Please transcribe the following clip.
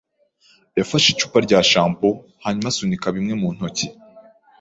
yafashe icupa rya shampoo hanyuma asunika bimwe mu ntoki.